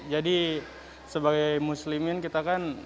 jadi sebagai muslimin kita kan